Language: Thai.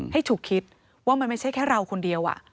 ให้ฉุกคิดว่ามันไม่ใช่แค่เราคนเดียว